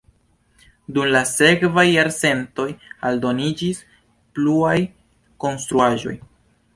Dum la sekvaj jarcentoj aldoniĝis pluaj konstruaĵoj.